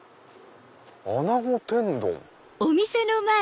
「穴子天丼」。